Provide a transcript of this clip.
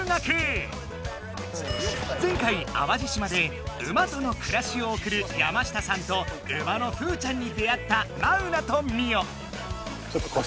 前回淡路島で「馬との暮らし」をおくる山下さんと馬のふーちゃんに出会ったマウナとミオ。